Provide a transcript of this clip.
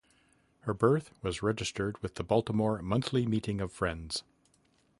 Her birth was registered with the Baltimore Monthly Meeting of Friends.